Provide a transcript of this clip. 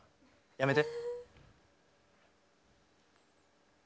やめて。